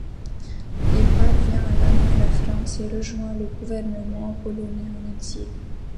Il parvient à gagner la France et rejoint le Gouvernement polonais en exil.